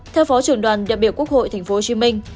theo phó trưởng đoàn đặc biểu quốc hội thành phố hồ chí minh